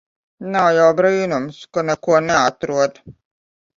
Nav jau brīnums ka neko neatrod.